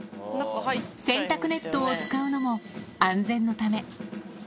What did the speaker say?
洗濯ネットを使うのも安全のため。